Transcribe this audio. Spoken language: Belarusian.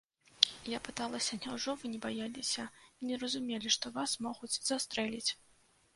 Я пыталася, няўжо вы не баяліся, не разумелі, што вас могуць застрэліць?